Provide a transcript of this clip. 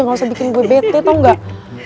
nggak usah bikin gue bete tau nggak